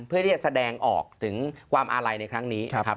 เพื่อที่จะแสดงออกถึงความอาลัยในครั้งนี้นะครับ